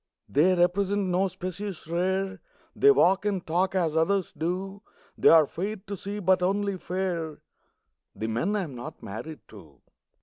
They represent no species rare, They walk and talk as others do; They're fair to see but only fair The men I am not married to.